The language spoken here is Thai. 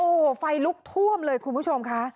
โอ้โหไฟลุกท่วมเลยคุณผู้ชมค่ะ